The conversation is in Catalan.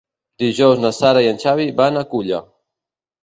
Dijous na Sara i en Xavi van a Culla.